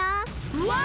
うわ！